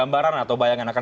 gambaran atau bayangan